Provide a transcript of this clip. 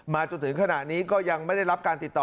จนถึงขณะนี้ก็ยังไม่ได้รับการติดต่อ